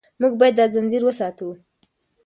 موږ باید دا ځنځیر وساتو.